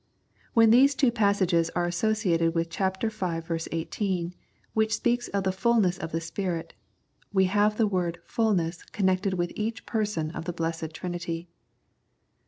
When these two passages are associated with ch. v. 18, which speaks of the fulness of the Spirit, we have the word " fulness " connected with each Person of the Blessed Trinity.